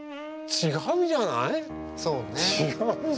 違うじゃない？